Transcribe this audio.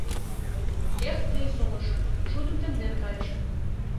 — Эх, тый, солышо, шудым темден кайыше!